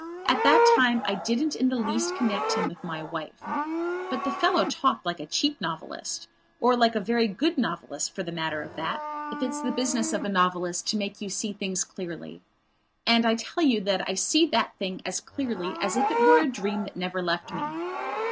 At that time I didn't in the least connect him with my wife. But the fellow talked like a cheap novelist. Or like a very good novelist for the matter of that, if it's the business of a novelist to make you see things clearly. And I tell you I see that thing as clearly as if it were a dream that never left me.